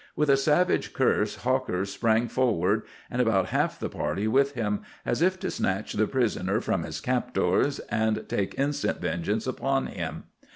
With a savage curse Hawker sprang forward, and about half the party with him, as if to snatch the prisoner from his captors and take instant vengeance upon him.